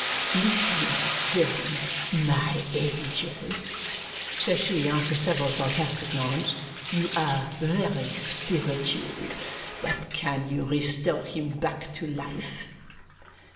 "Listen then, my angel," says she after several sarcastic nods. "You are very spiritual. But can you restore him back to life?"